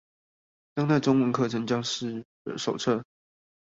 當代中文課程教師手冊